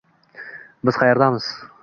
— Biz qaerdamiz?